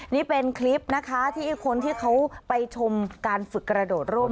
นี่เป็นคลิปนะคะที่คนที่เขาไปชมการฝึกกระโดดร่ม